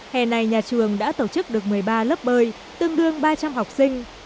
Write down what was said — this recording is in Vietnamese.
hè này nhà trường đã tổ chức được một mươi ba lớp bơi tương đương ba trăm linh học sinh